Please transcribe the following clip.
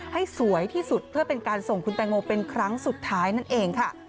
ให้สวยที่สุดเพื่อเป็นการส่งคุณแตงโมเป็นครั้งสุดท้ายนั่นเองค่ะ